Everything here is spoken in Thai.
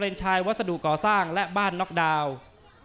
เป็นชายวัสดุก่อสร้างและบ้านน็อกดาวน์